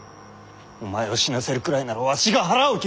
お前を死なせるくらいならわしが腹を切る！